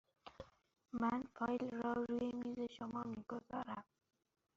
من فایل را روی میز شما می گذارم.